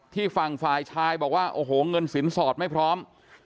ฝั่งฝ่ายชายบอกว่าโอ้โหเงินสินสอดไม่พร้อม